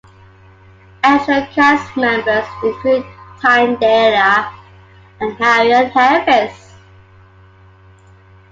Additional cast members include Tyne Daly and Harriet Harris.